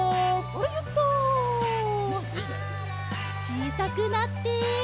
ちいさくなって。